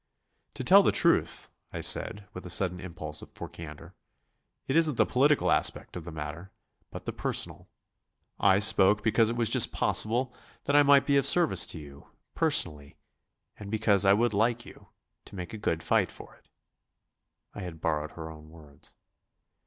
"To tell the truth," I said, with a sudden impulse for candour, "it isn't the political aspect of the matter, but the personal. I spoke because it was just possible that I might be of service to you personally and because I would like you ... to make a good fight for it." I had borrowed her own words.